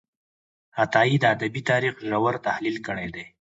عطايي د ادبي تاریخ ژور تحلیل کړی دی.